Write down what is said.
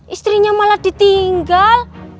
istrinya malah ditinggal